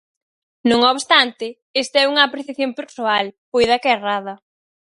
Non obstante, esta é unha apreciación persoal, poida que errada.